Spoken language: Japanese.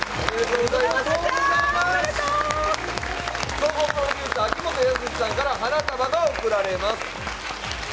総合プロデューサー秋元康さんから花束が贈られます。